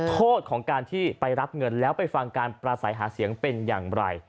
โทษของการที่ไปรับเงินแล้วไปฟังการประสัยหาเสียงเป็นอย่างไร